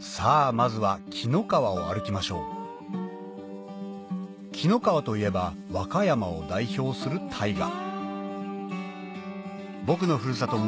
さぁまずは紀の川を歩きましょう紀の川といえば和歌山を代表する大河僕のふるさと